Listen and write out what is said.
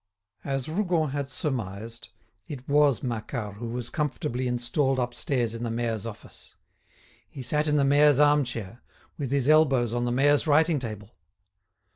As Rougon had surmised, it was Macquart who was comfortably installed upstairs in the mayor's office. He sat in the mayor's arm chair, with his elbows on the mayor's writing table.